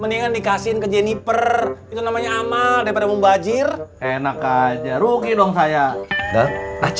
mendingan dikasih ke jeniper itu namanya amal daripada membazir enak aja rugi dong saya